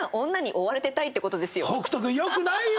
北斗君良くないよ！